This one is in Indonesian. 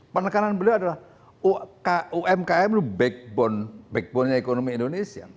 penekanan beliau adalah umkm itu backbone nya ekonomi indonesia